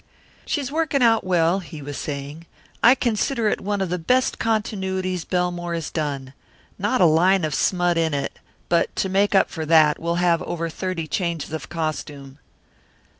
"She's working out well," he was saying. "I consider it one of the best continuities Belmore has done. Not a line of smut in it, but to make up for that we'll have over thirty changes of costume."